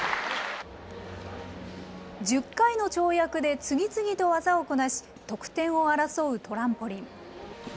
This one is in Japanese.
１０回の跳躍で次々と技をこなし、得点を争うトランポリン。